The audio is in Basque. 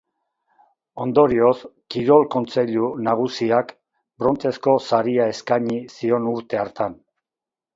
Ondorioz, Kirol Kontseilu Nagusiak brontzezko saria eskaini zion urte hartan.